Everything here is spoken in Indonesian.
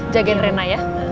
jagain rena ya